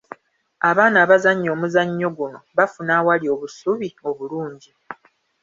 Abaana abazannya omuzannyo guno bafuna awali obusubi obulungi.